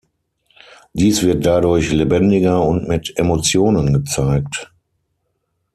Dies wird dadurch lebendiger und mit Emotionen gezeigt.